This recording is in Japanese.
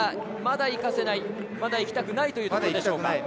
まだ行かせない、行きたくないということでしょうか。